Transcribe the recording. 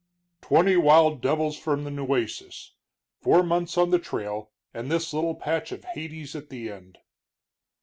"Twenty wild devils from the Nueces, four months on the trail, and this little patch of Hades at the end!"